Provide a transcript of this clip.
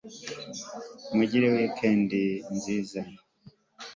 Mugire weekend nziza